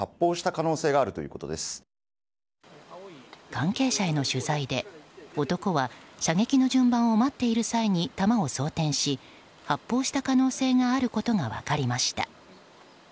関係者への取材で、男は射撃の順番を待っている際に弾を装填し発砲した可能性があることが分かりました。